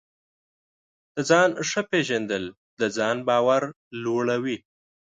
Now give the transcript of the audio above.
د ځان ښه پېژندل د ځان باور لوړوي.